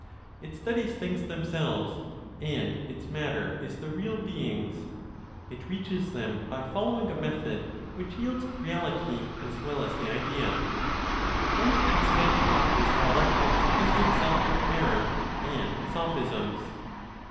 It studies things themselves, and its matter is the (real) beings. It reaches them by following a method which yields reality as well as the idea. Only accidentally does dialectics busy itself with error and sophisms.